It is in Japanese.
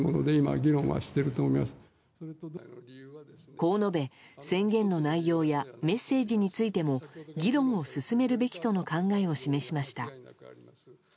こう述べ、宣言の内容やメッセージについても議論を進めるべきとの考えを示しました。